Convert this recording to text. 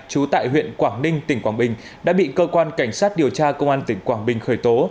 trú tại huyện quảng ninh tỉnh quảng bình đã bị cơ quan cảnh sát điều tra công an tỉnh quảng bình khởi tố